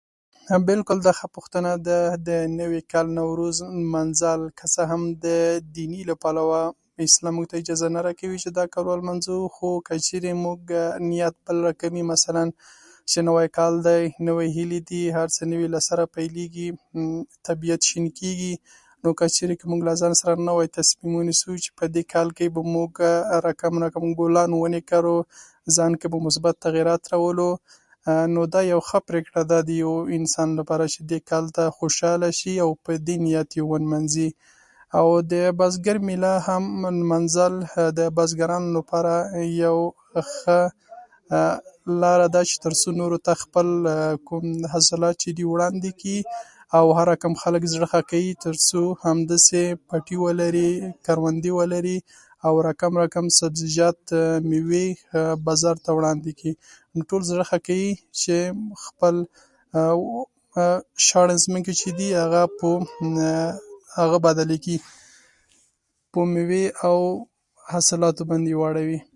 بلکل، دا ښه پوښتنه ده. د نوي کال، نوروز لمانځل، که څه هم د دیني له پلوه اسلام موږ ته اجازه نه راکوي چې دا کال ولمانځو، خو که چېرې زموږ نیت بل رقم وي؛ مثلا نوی کال دی، نوې هیلې دي، هر څه له سره پیل کېږي، طبيعت شين کېږي، نو که چېرې موږ له ځان سره نوی تصمیم ونیسو چې دې کال کې به موږ رقم رقم نوي ګلان، ونې کرو، ځان کې به مثبت تغیرات راولو، نو دا یو ښه پرېکړه ده یو انسان ته چې نوي کال ته خوشاله شي او په دې نیت یې ولمانځي. او د بزګر میله لمانځل هم د بزګرانو لپاره یو ښه لاره ده، چې تر څو نورو ته خپل حاصلات چې دي وړاندې کړي، او هر رقم خلک زړه ښه کوي، تر څو همداسې [unintelligible] ولري، او رقم رقم سبزیجات، میوې بازار ته وړاندې کړي. نو ټول زړه ښه کوي چې خپل شاړې ځمکې چې دي، هغه په هغه بدلې کړي، په میوې او حاصلاتو باندې یې واړوي.